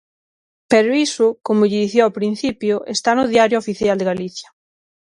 Pero iso, como lle dicía ao principio, está no Diario Oficial de Galicia.